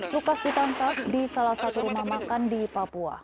lukas ditangkap di salah satu rumah makan di papua